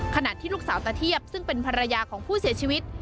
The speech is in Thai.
ขณะที่ลูกสาวตะเทียบซึ่งเป็นภรรยาของผู้เสียชีวิต